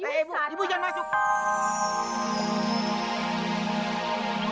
eh ibu jangan masuk